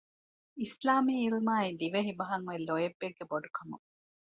އިސްލާމީ ޢިލްމާއި ދިވެހިބަހަށް އޮތް ލޯތްބެއްގެ ބޮޑުކަމުން